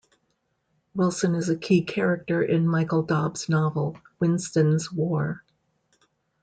Wilson is a key character in Michael Dobbs' novel "Winston's War".